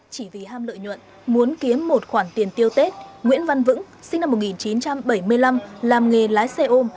chỉ vì ham lợi nhuận muốn kiếm một khoản tiền tiêu tết nguyễn văn vững sinh năm một nghìn chín trăm bảy mươi năm làm nghề lái xe ôm